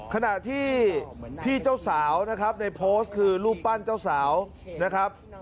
ขณะที่พี่เจ้าสาวนะครับในโพสต์คือรูปปั้นเจ้าสาวนะครับ